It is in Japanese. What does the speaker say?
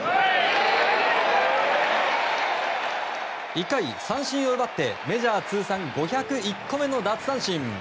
１回、三振を奪ってメジャー通算５０１個目の奪三振。